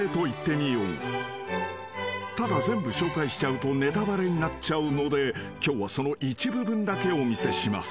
［ただ全部紹介しちゃうとネタバレになっちゃうので今日はその一部分だけお見せします］